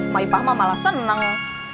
mak ipah mah malas malas